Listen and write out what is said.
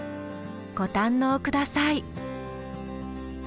ご堪能下さい。